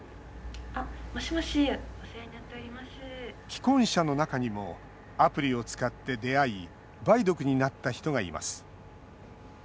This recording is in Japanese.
既婚者の中にもアプリを使って出会い梅毒になった人がいます。